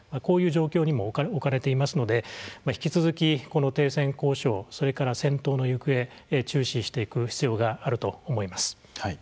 こういう状況にも置かれていますので引き続きこの停戦交渉それから戦闘の行方注視していく必要があると思います。